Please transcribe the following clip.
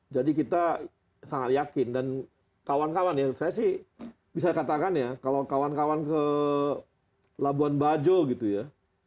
jadi kita sangat yakin dan kawan kawan ya saya sih bisa katakan ya kalau kawan kawan ke labuan bajo gitu ya